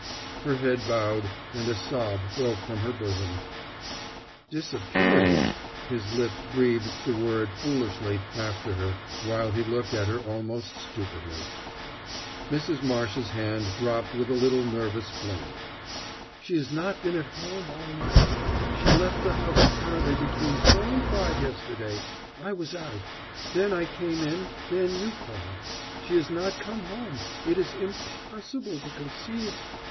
Her head bowed, and a sob broke from her bosom. "Disappeared" his lips breathed the word foolishly after her, while he looked at her almost stupidly. Mrs. Marsh's hand dropped with a little nervous fling. "She has not been at home all night. She left the house apparently between four and five yesterday I was out; then I came in; then you called.... She has not come home it is impossible to conceive...."